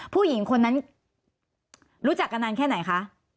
ผู้หญิงคนนั้นรู้จักกันนานแค่ไหนคะ